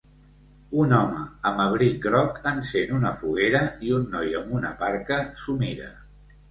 Un home amb abric groc encén una foguera i un noi amb una parca s'ho mira.